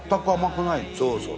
そうそう。